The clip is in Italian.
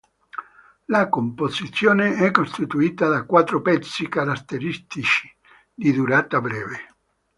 La composizione è costituita da quattro pezzi caratteristici, di durata breve.